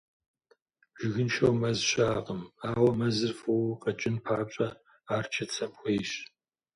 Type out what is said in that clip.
Жыгыншэу мэз щыӏэкъым, ауэ мэзыр фӏыуэ къэкӏын папщӏэ, ар чыцэм хуейщ.